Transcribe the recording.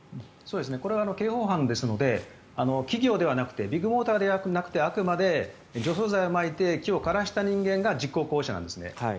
これは刑法犯ですので企業ではなくてビッグモーターではなくてあくまで除草剤をまいて木を枯らした人間が実行者なんですね。